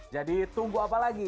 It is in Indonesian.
jadi tunggu apa lagi